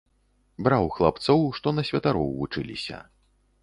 Браў хлапцоў, што на святароў вучыліся.